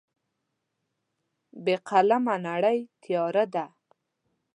بې قلمه نړۍ تیاره ده.